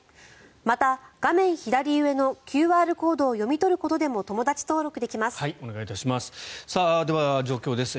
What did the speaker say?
また、画面左上のＱＲコードを読み取ることでもお願いいたします。